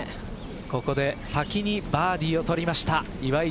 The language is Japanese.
ここで先にバーディーを取りました